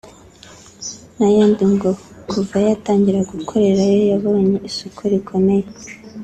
n’ayandi ngo kuva yatangira gukorera yo yahabonye isoko rikomeye